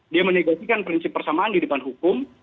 dia menegasikan prinsip persamaan di depan hukum